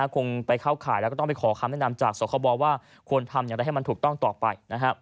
คงไปเข้าข่ายแล้วก็ต้องไปขอคำแนะนำจากสคบว่าควรทำอย่างไรให้มันถูกต้องต่อไป